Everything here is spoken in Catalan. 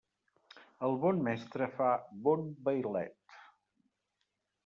El bon mestre fa bon vailet.